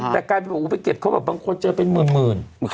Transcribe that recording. แต่กลายเป็นว่าไปเก็บเขาแบบบางคนเจอเป็นหมื่น